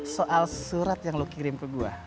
soal surat yang lo kirim ke gue